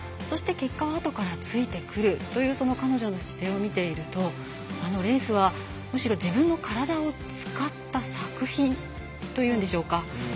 そして、結果はあとからついてくるという彼女の姿勢を見ているとあのレースは、むしろ自分の体を使った作品というんでしょうか。